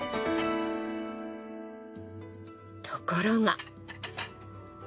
ところが。